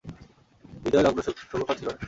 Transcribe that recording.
বিদায় লগ্ন সুখকর ছিল না।